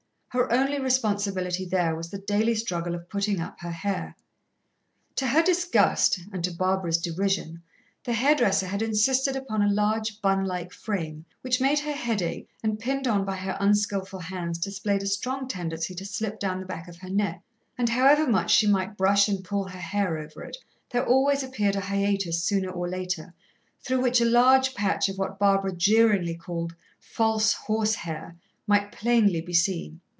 Her only responsibility there was the daily struggle of putting up her hair. To her disgust, and to Barbara's derision, the hair dresser had insisted upon a large, bun like frame, which made her head ache, and, pinned on by her unskilful hands, displayed a strong tendency to slip down the back of her neck. And however much she might brush and pull her hair over it, there always appeared a hiatus sooner or later, through which a large patch of what Barbara jeeringly called "false horsehair," might plainly be seen.